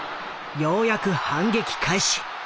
ようやく反撃開始。